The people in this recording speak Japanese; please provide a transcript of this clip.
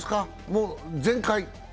もう全快？